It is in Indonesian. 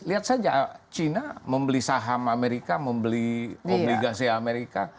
lihat saja china membeli saham amerika membeli obligasi amerika